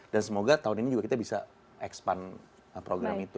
dan semoga tahun ini kita juga bisa expand program itu